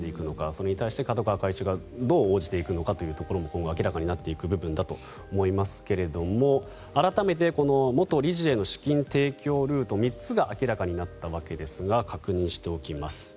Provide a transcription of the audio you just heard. それに対して角川会長がどう応じていくかが今後明らかになっていく部分だと思いますけども改めて元理事への資金提供ルート３つが明らかになったわけですが確認しておきます。